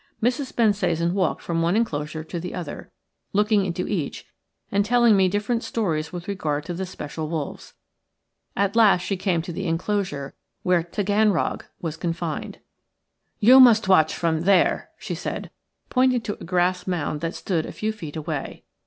Mrs. Bensasan walked from one enclosure to the other, looking into each and telling me different stories with regard to the special wolves. At last she came to the enclosure where Taganrog was confined. "You must watch from there," she said, pointing to a grass mound that stood a few feet away.